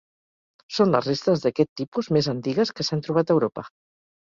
Són les restes d'aquest tipus més antigues que s'han trobat a Europa.